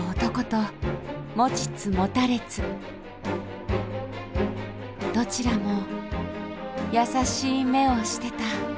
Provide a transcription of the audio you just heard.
どちらもやさしい目をしてた。